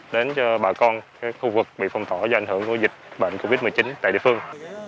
đến cho bà con khu vực bị phong tỏa do ảnh hưởng của dịch bệnh covid một mươi chín tại địa phương